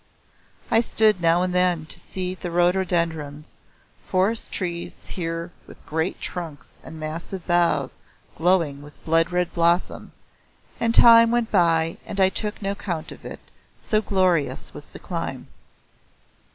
I stood now and then to see the rhododendrons, forest trees here with great trunks and massive boughs glowing with blood red blossom, and time went by and I took no count of it, so glorious was the climb.